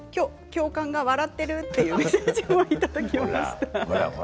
教官が笑っている、というメッセージもいただきました。